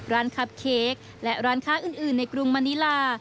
คับเค้กและร้านค้าอื่นในกรุงมณิลา